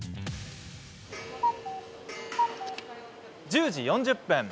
１０時４０分。